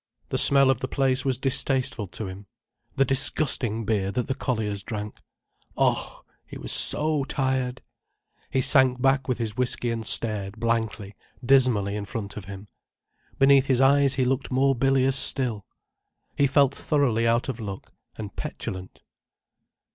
The smell of the place was distasteful to him. The disgusting beer that the colliers drank. Oh!—he was so tired. He sank back with his whiskey and stared blankly, dismally in front of him. Beneath his eyes he looked more bilious still. He felt thoroughly out of luck, and petulant.